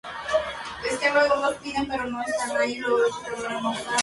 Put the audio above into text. Fue director de la Central de ferrocarriles de Nueva York y del Pacífico Norte.